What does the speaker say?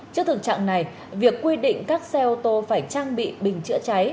trước thực trạng này việc quy định các xe ô tô phải trang bị bình chữa cháy